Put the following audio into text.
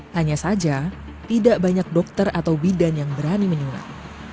hanya saja tidak banyak dokter atau bidan yang berani menyulat